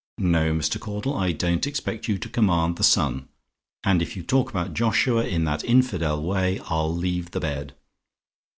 No, Mr. Caudle; I don't expect you to command the sun, and if you talk about Joshua in that infidel way, I'll leave the bed.